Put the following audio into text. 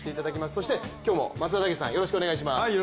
そして今日も松田丈志さんよろしくお願いします。